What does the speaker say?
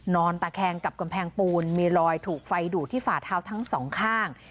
นอนตะแคงกับกำแพงปูนมีรอยถูกไฟดูดที่ฝ่าเท้าทั้งสองข้าง